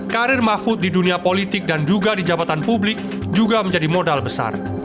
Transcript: karir mahfud di dunia politik dan juga di jabatan publik juga menjadi modal besar